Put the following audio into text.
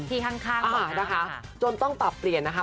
ข้างมานะคะจนต้องปรับเปลี่ยนนะคะ